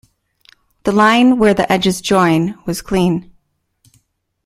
The line where the edges join was clean.